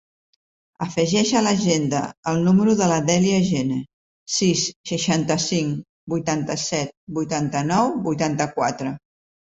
Afegeix a l'agenda el número de la Dèlia Gene: sis, seixanta-cinc, vuitanta-set, vuitanta-nou, vuitanta-quatre.